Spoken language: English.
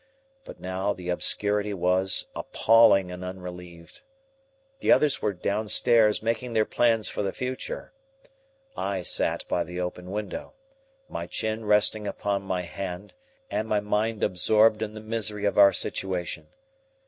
But now the obscurity was appalling and unrelieved. The others were downstairs making their plans for the future. I sat by the open window, my chin resting upon my hand and my mind absorbed in the misery of our situation.